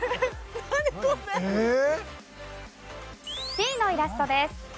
Ｃのイラストです。